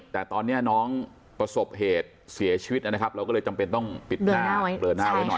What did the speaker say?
แต่ตอนนี้น้องประสบเหตุเสียชีวิตนะครับเราก็เลยจำเป็นต้องปิดหน้าเบลอหน้าไว้หน่อย